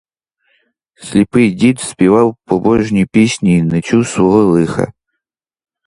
Сліпий дід співав побожні пісні і не чув свого лиха.